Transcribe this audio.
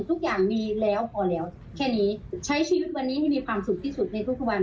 ทุกอย่างมีแล้วพอแล้วแค่นี้ใช้ชีวิตวันนี้ให้มีความสุขที่สุดในทุกวัน